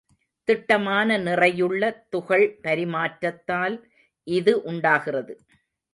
திட்டமான நிறையுள்ள துகள் பரிமாற்றத்தால் இது உண்டாகிறது.